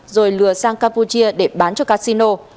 rồi lừa sang campuchia để bán